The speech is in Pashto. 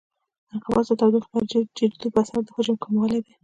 انقباض د تودوخې درجې د ټیټېدو په اثر د حجم کموالی دی.